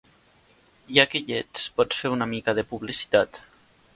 Ja que hi ets, pots fer una mica de publicitat.